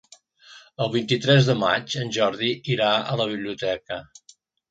El vint-i-tres de maig en Jordi irà a la biblioteca.